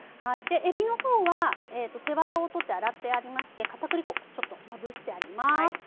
えびのほうは背ワタをとって洗ってありましてかたくり粉ちょっとまぶしてあります。